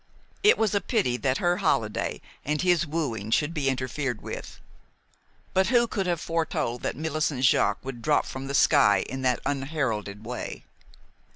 It was a pity that her holiday and his wooing should be interfered with; but who could have foretold that Millicent Jaques would drop from the sky in that unheralded way?